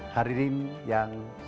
hari ini yang saya inginkan